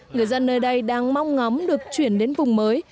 người dân nơi đây đang mong ngắm được chuyển đến vùng mới